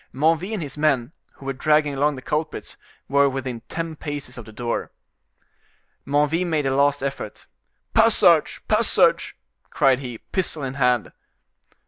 Menneville and his men, who were dragging along the culprits, were within ten paces of the door. Menneville made a last effort. "Passage! passage!" cried he, pistol in hand.